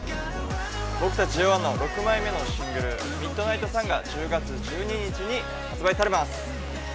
◆僕たちＪＯ１の６枚目のシングル「ＭＩＤＮＩＧＨＴＳＵＮ」が１０月１２日に発売されます！